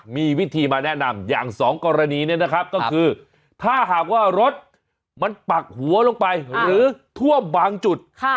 มีวิธีมาแนะนำอย่างสองกรณีเนี่ยนะครับก็คือถ้าหากว่ารถมันปักหัวลงไปหรือท่วมบางจุด